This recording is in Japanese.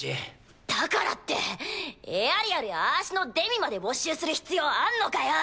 だからってエアリアルやあしのデミまで没収する必要あんのかよ。